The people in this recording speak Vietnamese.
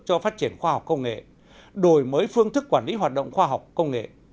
cho phát triển khoa học công nghệ đổi mới phương thức quản lý hoạt động khoa học công nghệ